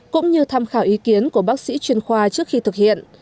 cũng như tham khảo ý kiến của bác sĩ chuyên khoa trước khi thực hiện